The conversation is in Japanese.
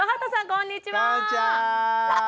こんにちは。